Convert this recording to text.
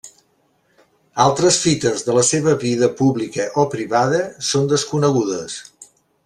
Altres fites de la seva vida publica o privada són desconegudes.